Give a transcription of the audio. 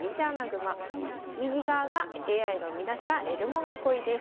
右側がＡＩが生み出したエルモ囲いです。